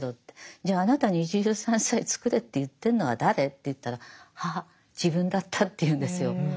じゃああなたに一汁三菜作れって言ってんのは誰？って言ったらあ自分だったって言うんですよ。